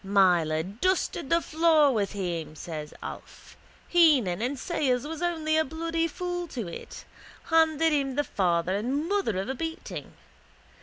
—Myler dusted the floor with him, says Alf. Heenan and Sayers was only a bloody fool to it. Handed him the father and mother of a beating.